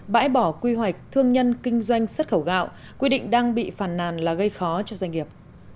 bãi bỏ quy hoạch thương nhân kinh doanh xuất khẩu gạo quy định đang bị phàn nàn là gây khó cho doanh nghiệp